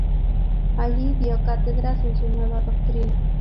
Allí dio cátedras en su nueva doctrina.